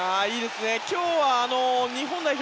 今日は日本代表